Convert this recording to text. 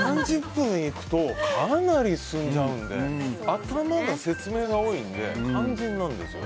３０分行くとかなり進んじゃうので頭のほうが説明が多いので肝心なんですよ。